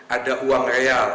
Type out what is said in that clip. ada uang real